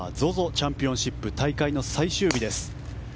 チャンピオンシップ大会の最終日です。